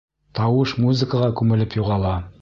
Тауыш музыкаға кумелеп юғала.